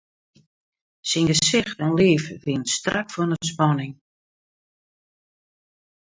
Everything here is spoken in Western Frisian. Syn gesicht en liif wiene strak fan 'e spanning.